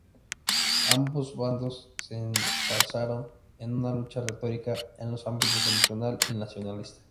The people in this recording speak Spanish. Ambos bandos se enzarzaron en una lucha retórica en los ámbitos emocional y nacionalista.